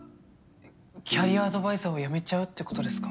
キャリアアドバイザーを辞めちゃうってことですか？